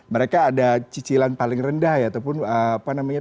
mereka ada cicilan paling rendah ya ataupun apa namanya